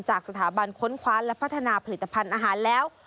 จากสถาบันค้นคว้านและพัฒนาผลิตภัณฑ์อาหารแล้ว